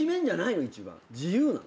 自由なの？